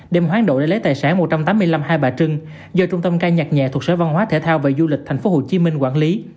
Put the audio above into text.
đem hoán đổi để lấy tài sản một trăm tám mươi năm hai bà trưng do trung tâm ca nhạc nhẹ thuộc sở văn hóa thể thao và du lịch tp hcm quản lý